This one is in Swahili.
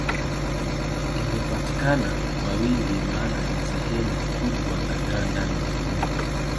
Inapatikana kwa wingi maana ni sehemu kubwa ya ganda la Dunia.